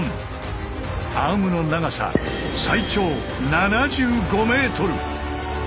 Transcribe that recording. アームの長さ最長７５ｍ。